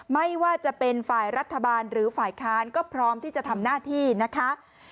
ไม่ว่าจะเป็นฝ่ายรัฐบาลหรือฝ่ายค้านก็พร้อมที่จะทำหน้าที่นะคะ